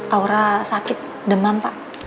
aura sakit demam pak